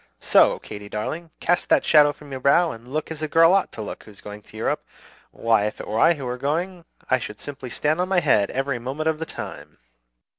"So, Katy darling, cast that shadow from your brow, and look as a girl ought to look who's going to Europe. Why, if it were I who were going, I should simply stand on my head every moment of the time!"